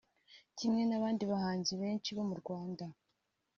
Kimwe n’abandi bahanzi benshi bo mu Rwanda